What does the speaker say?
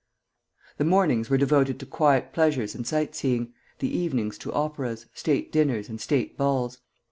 The mornings were devoted to quiet pleasures and sight seeing, the evenings to operas, state dinners, and state balls.